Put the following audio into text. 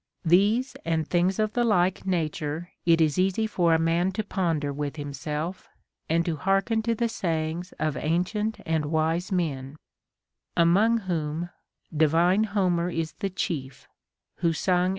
These and things of the like nature it is easy for a man to ponder Avith himself, and to hearken to the sayings of ancient and wise men; among whom divine Homer is the chief, Λvho suni?